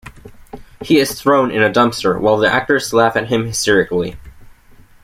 He is thrown in a dumpster while the actors laugh at him hysterically.